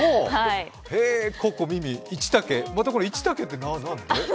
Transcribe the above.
ココ、ミミ、イチタケ、イチタケって何で？